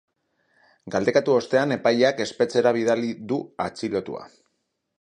Galdekatu ostean, epaileak espetxera bidali du atxilotua.